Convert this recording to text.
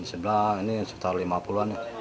di sebelah ini setelah lima puluh an